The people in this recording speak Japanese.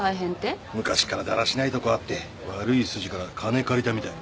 昔からだらしないとこあって悪い筋から金借りたみたい。